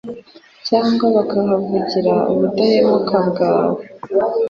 cyangwa bakahavugira ubudahemuka bwawe